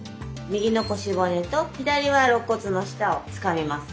右の腰骨と左は肋骨の下をつかみます。